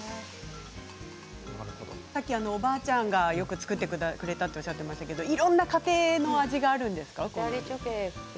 さっきおばあちゃんがよく作ってくれたとおっしゃっていましたがいろんな家庭の味があるんですか。